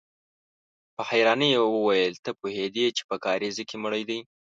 په حيرانۍ يې وويل: ته پوهېدې چې په کاريزه کې مړی دی؟